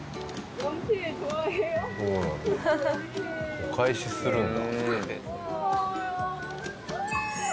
お返しするんだ。